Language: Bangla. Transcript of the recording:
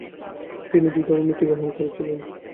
তিনি দুই ধরনের নীতি গ্রহণ করেছিলেন।